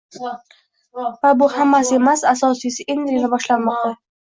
Va bu hammasi emas, asosiysi endigina boshlanmoqda